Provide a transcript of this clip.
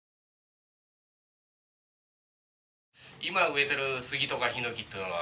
今植えてる杉とかヒノキっていうのは。